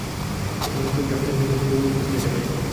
সে তার মেক্সিকোর এক জ্যোতির্বিজ্ঞানী বন্ধুর কাছ থেকে এটা পেয়েছে!